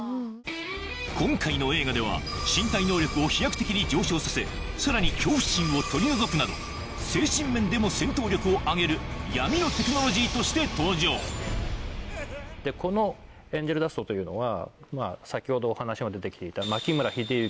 今回の映画では身体能力を飛躍的に上昇させさらに恐怖心を取り除くなど精神面でも戦闘力を上げるとして登場このエンジェルダストというのは先ほどお話にも出てきていた。